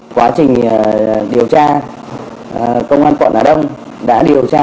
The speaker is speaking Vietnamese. quá trình điều tra công an quận hà đông đã điều tra